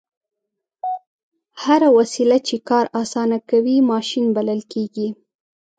هره وسیله چې کار اسانه کوي ماشین بلل کیږي.